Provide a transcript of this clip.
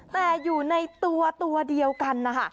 แต่อยู่ในตัวตัวเดียวกันนะคะ